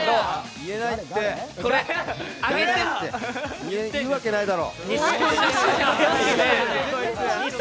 言えるわけないだろ！